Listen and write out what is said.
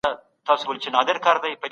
پښتو ژبه زموږ د عزت او وقار نښه ده